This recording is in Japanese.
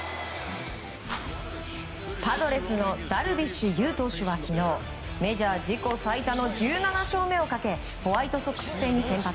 パドレスのダルビッシュ有投手は昨日メジャー自己最多の１７勝目をかけホワイトソックス戦に先発。